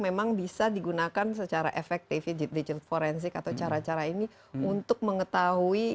memang bisa digunakan secara efektif digit forensik atau cara cara ini untuk mengetahui